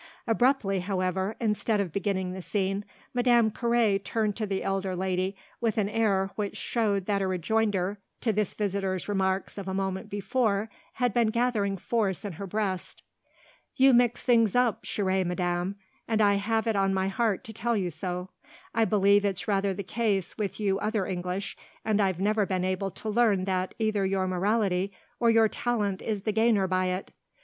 Abruptly, however, instead of beginning the scene, Madame Carré turned to the elder lady with an air which showed that a rejoinder to this visitor's remarks of a moment before had been gathering force in her breast. "You mix things up, chère madame, and I have it on my heart to tell you so. I believe it's rather the case with you other English, and I've never been able to learn that either your morality or your talent is the gainer by it.